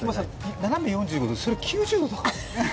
斜め７５度それ９０度？